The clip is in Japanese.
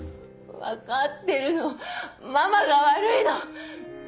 分かってるのママが悪いの。